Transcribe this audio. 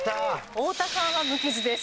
太田さんは無傷です。